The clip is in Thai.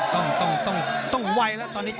ต้องไวแล้วตอนนี้